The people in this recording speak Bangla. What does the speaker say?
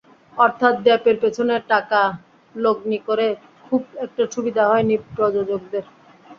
অর্থাৎ ডেপের পেছনে টাকা লগ্নি করে খুব একটা সুবিধা হয়নি প্রযোজকদের।